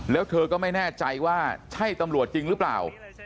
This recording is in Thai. แล้วเธอก็ไม่แน่ใจว่าใช่ตำรวจจริงหรือเปล่า